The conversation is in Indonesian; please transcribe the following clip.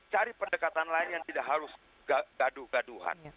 cari pendekatan lain yang tidak harus gaduh gaduhan